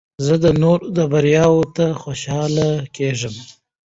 زه د نورو بریاوو ته خوشحاله کېږم.